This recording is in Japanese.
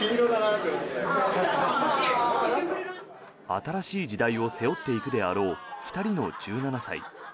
新しい時代を背負っていくであろう２人の１７歳。